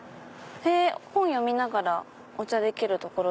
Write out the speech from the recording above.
本読みながらお茶できる所？